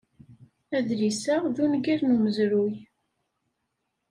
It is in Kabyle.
Adlis-a d ungal n umezruy.